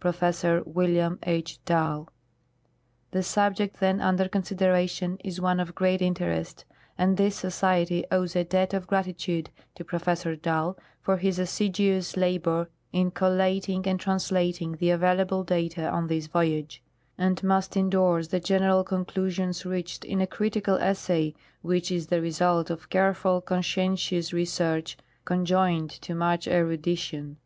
Professor William H. Dall. The subject then under consideration is one of great interest, and this Society owes a debt of gratitude to Professor Dall for his assiduous labor in collating and translating the available data on this voyage, and must indorse the general conclusions reached in a critical essay which is the result of careful, conscientious research con joined to much erudition.